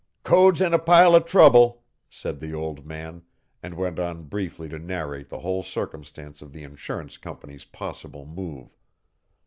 "Code's in a pile of trouble," said the old man, and went on briefly to narrate the whole circumstance of the insurance company's possible move.